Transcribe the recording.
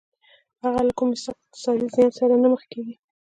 هغه له کوم اقتصادي زيان سره نه مخ کېږي.